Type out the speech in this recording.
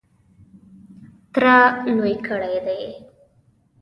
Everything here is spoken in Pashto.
تره لوی کړی دی .